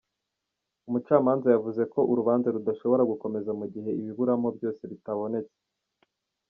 Umucamanza yavuze ko urubanza rudashobora gukomeza mu gihe ibiburamo byose bitabonetse.